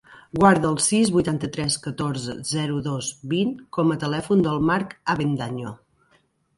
Guarda el sis, vuitanta-tres, catorze, zero, dos, vint com a telèfon del Marc Avendaño.